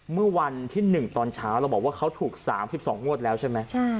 เมื่อวันที่๑ตอนเช้าเราบอกว่าเขาถูก๓๒งวดแล้วใช่ไหม